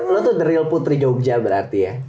lo tuh the real putri jogja berarti ya